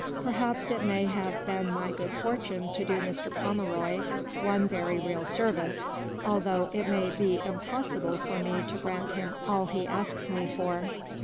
Perhaps it may have been my good fortune to do Mr. Pomeroy one very real service, although it may be im possible forme to grant him all he asks me for."